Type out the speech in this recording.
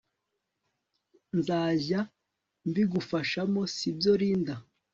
nzajya mbigufashamo Sibyo Linda